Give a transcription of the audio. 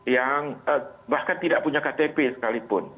yang bahkan tidak punya ktp sekalipun